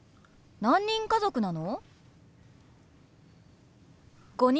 何人家族なの？